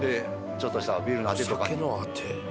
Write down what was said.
ちょっとしたビールのアテとかに。